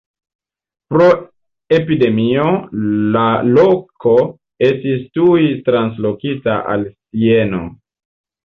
Pro epidemio la loko estis tuj translokita al Sieno.